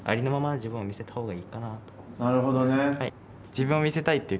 なるほどね。